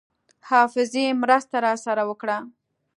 حافظې مرسته راسره وکړه.